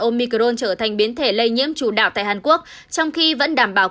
omicron trở thành biến thể lây nhiễm chủ đạo tại hàn quốc trong khi vẫn đảm bảo